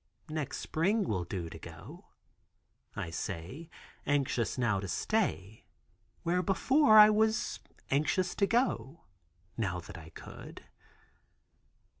"Next spring will do to go," I say, anxious now to stay, where before I was anxious to go—now that I could.